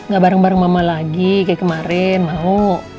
gak bareng bareng mama lagi kayak kemarin mau